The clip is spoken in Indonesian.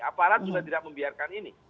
aparat sudah tidak membiarkan ini